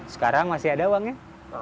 sekarang masih ada uangnya